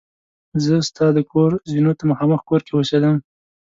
زه ستا د کور زینو ته مخامخ کور کې اوسېدم.